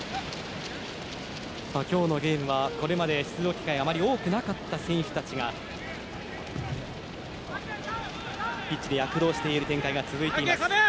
今日のゲームはこれまで出場機会があまり多くなかった選手たちが、ピッチで躍動している展開が続いています。